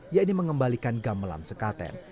yakni mengembalikan gamelan sekatem